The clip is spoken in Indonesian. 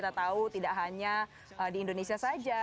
tidak hanya di indonesia saja